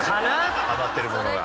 ハマってるものが。